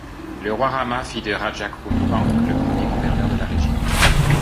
Le roi Rama fit de Rajakruluang le premier gouverneur de la région.